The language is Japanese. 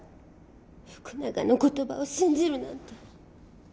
福永の言葉を信じるなんて。